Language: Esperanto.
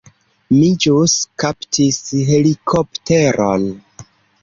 Mi ĵus kaptis helikopteron.